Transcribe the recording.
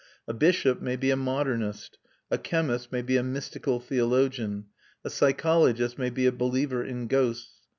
A bishop may be a modernist, a chemist may be a mystical theologian, a psychologist may be a believer in ghosts.